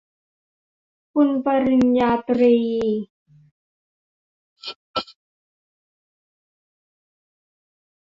ทุนปริญญาตรี